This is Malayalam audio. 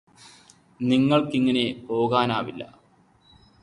നിങ്ങള്ക്കിങ്ങനെ പോകാനാവില്ല